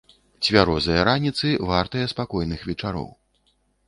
Цвярозыя раніцы вартыя спакойных вечароў.